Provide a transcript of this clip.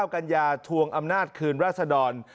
กัญญาทวงอำนาจคืนราษดร